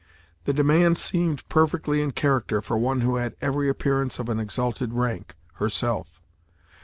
The demand seemed perfectly in character for one who had every appearance of an exalted rank, herself.